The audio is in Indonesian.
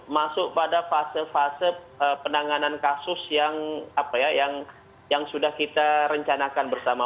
masuk pada fase fase penanganan kasus yang sudah kita rencanakan bersama